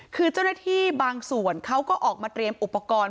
คือเจ้าหน้าที่บางส่วนเขาก็ออกมาเตรียมอุปกรณ์